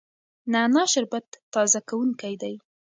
نعنا شربت تازه کوونکی دی.